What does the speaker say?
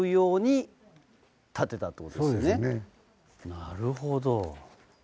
なるほど。